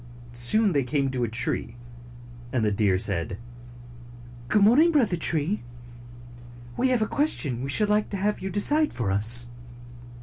Soon they came to a tree, and the deer said, "Good morning, Brother Tree. We have a ques tion we should like to have you decide for us."